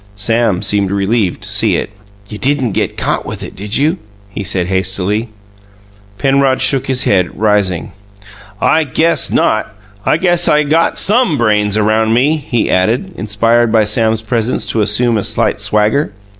Sam seemed relieved to see it. "You didn't get caught with it, did you?" he said hastily. Penrod shook his head, rising. "I guess not! I guess I got SOME brains around me," he added, inspired by Sam's presence to assume a slight swagger.